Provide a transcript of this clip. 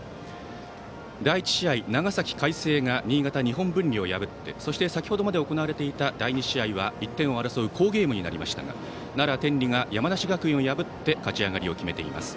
第１試合、長崎・海星が新潟・日本文理を破って先程まで行われていた第２試合は１点を争う好ゲームになりましたが奈良・天理が山梨学院を破って勝ち上がりを決めています。